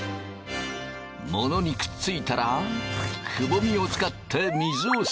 モノにくっついたらくぼみを使って水を吸い上げ